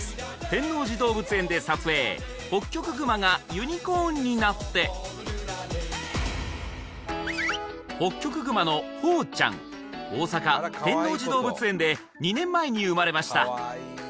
天王寺動物園で撮影ホッキョクグマがユニコーンになって大阪・天王寺動物園で２年前に生まれました